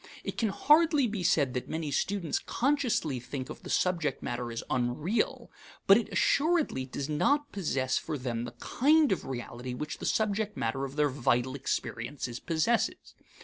It can hardly be said that many students consciously think of the subject matter as unreal; but it assuredly does not possess for them the kind of reality which the subject matter of their vital experiences possesses.